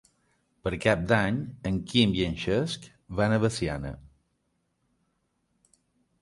Per Cap d'Any en Quim i en Cesc van a Veciana.